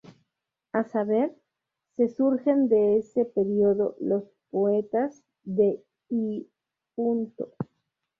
A saber, se surgen de ese período Los poetas de "Y Punto.